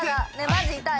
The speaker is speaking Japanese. マジ痛い。